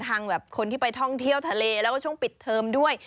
แบบคนที่ไปท่องเที่ยวทะเลแล้วก็ช่วงปิดเทอมด้วย